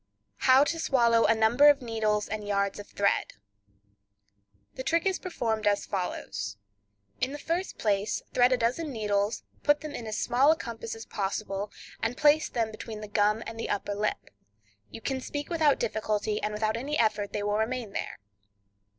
How to Swallow a Number of Needles and Yards of Thread.—The trick is performed as follows: In the first place thread a dozen needles, put them in as small a compass as possible, and place them between the gum and the upper lip; you can speak without difficulty, and without any effort they will remain there.